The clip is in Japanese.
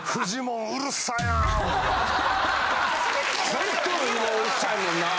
ずっとうるさいもんな。